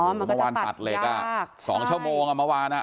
มันก็จะตัดยาก